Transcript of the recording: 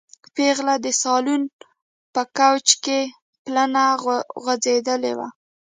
پېغله د سالون په کوچ کې پلنه غځېدلې وه.